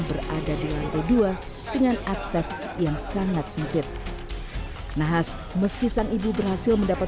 berada di lantai dua dengan akses yang sangat sempit nahas meski sang ibu berhasil mendapat